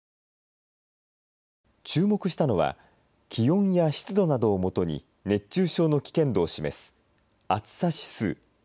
注目したのは気温や湿度などをもとに熱中症の危険度を示す暑さ指数。